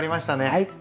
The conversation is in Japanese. はい。